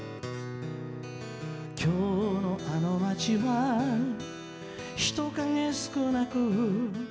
「今日のあの町は人影少なく」